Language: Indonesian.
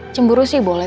cemburu sih boleh